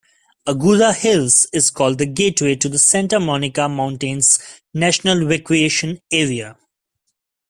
Agoura Hills is called the "Gateway to the Santa Monica Mountains National Recreation Area".